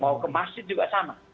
mau ke masjid juga sama